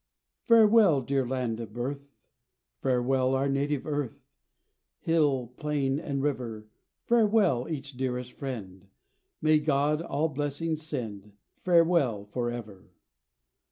Farewell, dear land of birth! Farewell our native earth Hill, plain, and river; Farewell, each dearest friend, May God all blessings send Farewell for ever!